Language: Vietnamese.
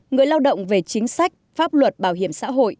người lao động về chính sách pháp luật bảo hiểm xã hội